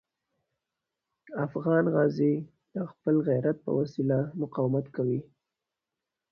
افغان غازي د خپل غیرت په وسیله مقاومت کوي.